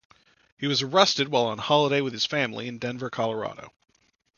He was arrested while on holiday with his family in Denver, Colorado.